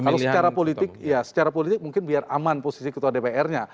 kalau secara politik mungkin biar aman posisi ketua dpr nya